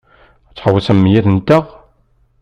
Ad tḥewwsem yid-nteɣ?